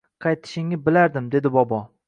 Qaytishingni bilardim, – dedi bobo.